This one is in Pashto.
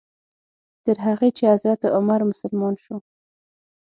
تر هغې چې حضرت عمر مسلمان شو.